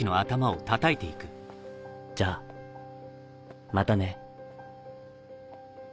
じゃあまたね